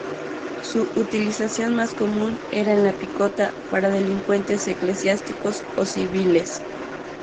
Su utilización más común era en la picota para delincuentes eclesiásticos o civiles.